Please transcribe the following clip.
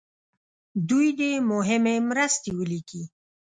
دوی دې مهمې مرستې ولیکي.